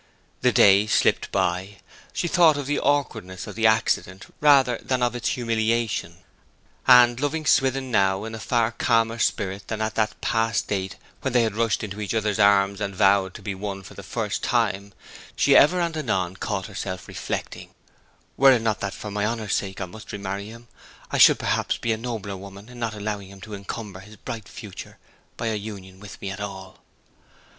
The day slipped by: she thought of the awkwardness of the accident rather than of its humiliation; and, loving Swithin now in a far calmer spirit than at that past date when they had rushed into each other's arms and vowed to be one for the first time, she ever and anon caught herself reflecting, 'Were it not that for my honour's sake I must re marry him, I should perhaps be a nobler woman in not allowing him to encumber his bright future by a union with me at all.'